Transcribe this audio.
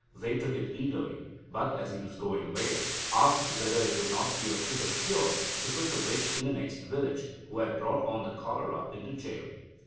They took it eagerly, but, as he was going away, asked whether it would not be a quicker cure to put the witch in the next village, who had brought on the cholera, into jail.